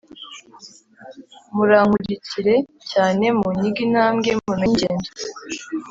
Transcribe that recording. Murankurikire cyane munyige intambwe, mumenye ingendo